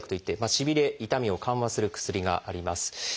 しびれ・痛みを緩和する薬があります。